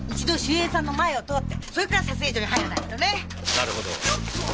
なるほど。